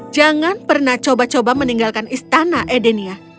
jangan pernah coba coba meninggalkan istana edenia